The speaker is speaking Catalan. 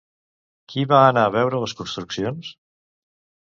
Qui va anar a veure les construccions?